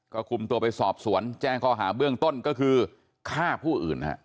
ก็คุมตัวไปสอบสวนแจ้งข้อหาเบื้องต้นก็คือฆ่าผู้อื่น